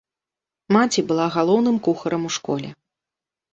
Маці была галоўным кухарам у школе.